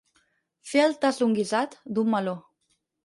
Fer el tast d'un guisat, d'un meló.